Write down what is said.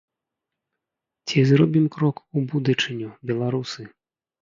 Ці зробім крок у будучыню, беларусы?